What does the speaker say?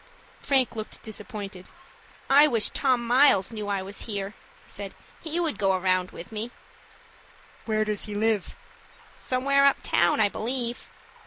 Frank looked disappointed. "I wish Tom Miles knew I was here," he said. "He would go around with me." "Where does he live?" "Somewhere up town, I believe."